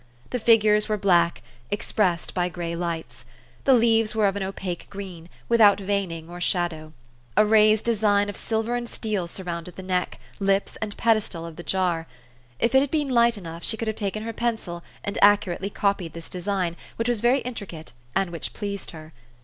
The figures were black, expressed by gray lights. The leaves were of an opaque green, without veining or shadow. A raised design of silver and steel surrounded the neck, lips, and pedestal of the jar. If it had been light enough, she could have taken her pencil, and accu rately copied this design, which was very intricate, and which pleased her.